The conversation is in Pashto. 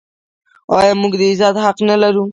آیا موږ د عزت حق نلرو؟